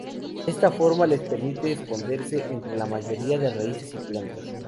Esta forma les permite esconderse entre la mayoría de raíces y plantas.